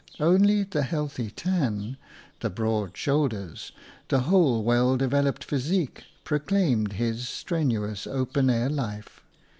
Only the healthy tan, the broad shoulders, the whole well developed physique proclaimed his strenuous, open air life.